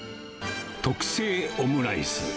特製オムライス。